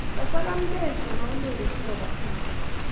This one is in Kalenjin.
Kisakan gei Tom ak Mary sikuba sang'